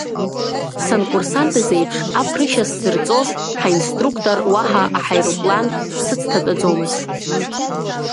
Санкурсантыз еиԥш, аԥрышьа сзырҵоз ҳаинструктор уаҳа аҳаирплан дсыцҭатәаӡомызт.